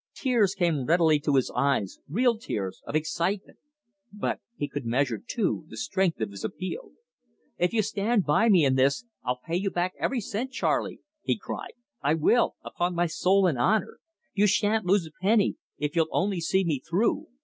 Tears came readily to his eyes, real tears of excitement; but he could measure, too, the strength of his appeal. "If you'll stand by me in this, I'll pay you back every cent, Charley," he cried. "I will, upon my soul and honour! You shan't lose a penny, if you'll only see me through.